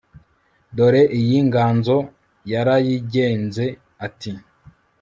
Dore iyi nganzo yarayigenze Ati